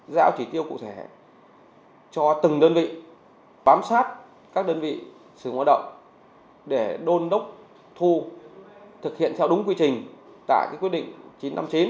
giao chỉ tiêu cụ thể cho từng đơn vị bám sát các đơn vị sử hoạt động để đôn đốc thu thực hiện theo đúng quy trình tại quyết định chín trăm năm mươi chín